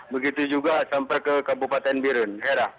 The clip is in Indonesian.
begitu juga sampai ke kabupaten birun